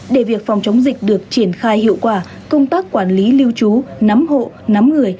để việc phòng chống dịch được triển khai hiệu quả công tác quản lý lưu trú nắm hộ nắm người